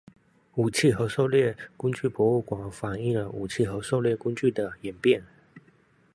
武器和狩猎工具博物馆反映了武器和狩猎工具的演变。